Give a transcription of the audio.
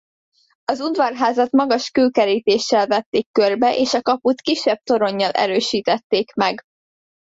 Az udvarházat magas kőkerítéssel vették körbe és a kaput kisebb toronnyal erősítették meg.